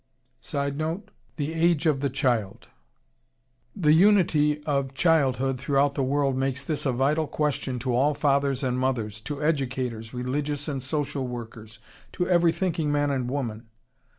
[Sidenote: "The Age of the Child."] The "unity of childhood" throughout the world makes this a vital question to all fathers and mothers, to educators, religious and social workers, to every thinking man and woman.